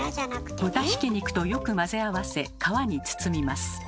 豚ひき肉とよく混ぜ合わせ皮に包みます。